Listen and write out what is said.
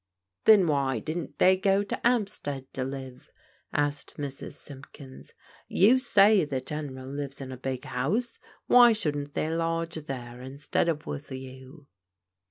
"Then why didn't they go to 'Ampstead to live?" asked Mrs. Simpkins. " You say the General lives in a big house ; why shouldn't they lodge there instead of with you?"